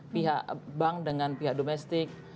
pihak bank dengan pihak domestik